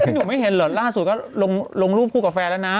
หนุ่มไม่เห็นเหรอล่าสุดก็ลงรูปคู่กับแฟนแล้วนะ